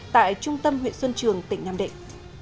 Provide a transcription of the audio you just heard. tại trung tâm huyện xuân trường tỉnh nam định